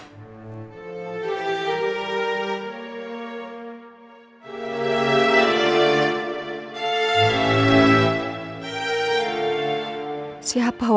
serang baik dan keadaan yang sama